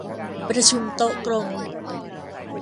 ประชุมโต๊ะกลม